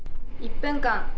「１分間！